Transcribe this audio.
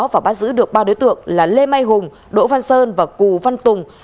và bắt giữ được ba đối tượng là lê mai hùng đỗ văn sơn và cù văn tùng